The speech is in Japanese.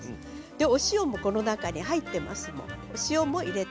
お塩もこの中に入っています。